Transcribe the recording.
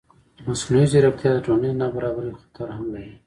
مصنوعي ځیرکتیا د ټولنیز نابرابرۍ خطر هم لري.